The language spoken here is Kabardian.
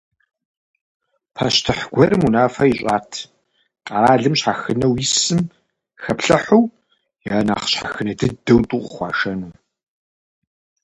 Пащтыхь гуэрым унафэ ищӏат: къэралым щхьэхынэу исым хэплъыхьу я нэхъ щхьэхынэ дыдэу тӏу къыхуашэну.